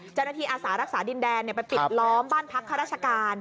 เจ้าหน้าที่อาสารักษาดินแดนไปปิดล้อมบ้านพักธรรมราชกาล